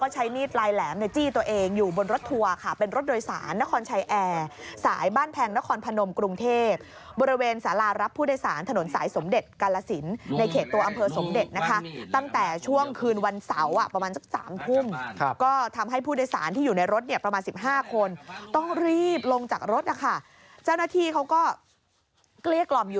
ใช้มีดปลายแหลมในจี้ตัวเองอยู่บนรถทัวร์ค่ะเป็นรถโดยสารนครชัยแอร์สายบ้านแพงนครพนมกรุงเทพบริเวณสารารับผู้โดยสารถนนสายสมเด็จกาลสินในเขตตัวอำเภอสมเด็จนะคะตั้งแต่ช่วงคืนวันเสาร์อ่ะประมาณสักสามทุ่มก็ทำให้ผู้โดยสารที่อยู่ในรถเนี่ยประมาณสิบห้าคนต้องรีบลงจากรถนะคะเจ้าหน้าที่เขาก็เกลี้ยกล่อมอยู่